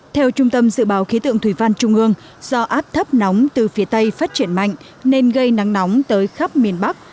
theo trung tâm dự báo khí tượng thủy văn trung ương do áp thấp nóng từ phía tây phát triển mạnh nên gây nắng nóng tới khắp miền bắc